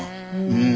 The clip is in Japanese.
うん。